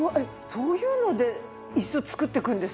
そういうので椅子を作っていくんですか？